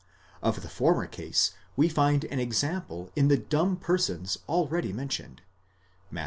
Of the former case we find an example in. the dumb persons already mentioned, Matt.